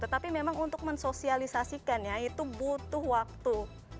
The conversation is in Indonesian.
tetapi memang untuk mensosialisasikannya itu butuh waktu